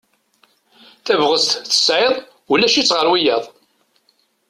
Tabɣest tesɛiḍ ulac-itt ɣer wiyaḍ.